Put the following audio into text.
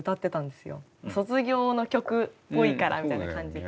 「卒業の曲っぽいから」みたいな感じで。